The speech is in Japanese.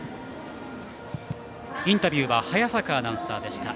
インタビューは早坂アナウンサーでした。